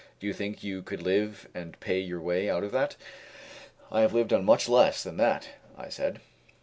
Do you think you could live and pay your way out of that?" "I have lived on much less than that," I said.